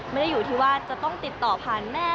ไม่ได้อยู่ที่ว่าจะต้องติดต่อผ่านแม่